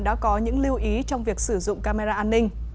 đã có những lưu ý trong việc sử dụng camera an ninh